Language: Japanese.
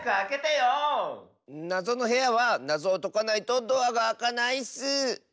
なぞのへやはなぞをとかないとドアがあかないッス！